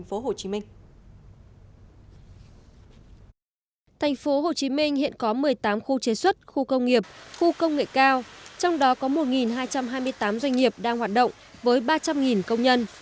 tp hcm hiện có một mươi tám khu chế xuất khu công nghiệp khu công nghệ cao trong đó có một hai trăm hai mươi tám doanh nghiệp đang hoạt động với ba trăm linh công nhân